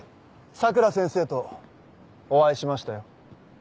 佐倉先生とお会いしましたよ。